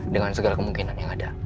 dengan segala kemungkinan yang ada